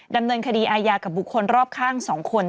ดำเนินคดีอายากับบุคคลรอบข้าง๒คน